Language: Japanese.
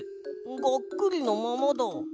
がっくりのままだ。